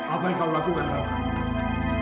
apa yang kau lakukan